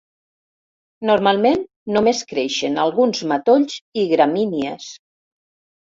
Normalment només creixen alguns matolls i gramínies.